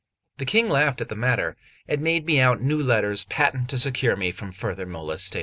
The King laughed at the matter, and made me out new letters patent to secure me from further molestation.